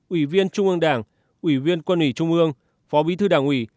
ủy viên trung ương đảng ủy viên quân ủy trung ương phó bí thư đảng ủy